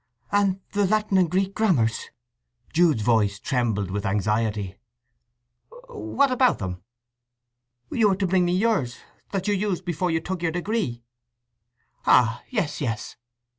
"And the Latin and Greek grammars?" Jude's voice trembled with anxiety. "What about them?" "You were to bring me yours, that you used before you took your degree." "Ah, yes, yes!